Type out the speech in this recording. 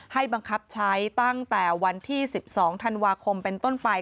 บังคับใช้ตั้งแต่วันที่๑๒ธันวาคมเป็นต้นไป